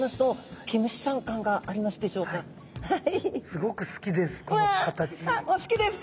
すごく好きです